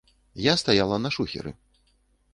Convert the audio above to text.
Я стаяла на шухеры.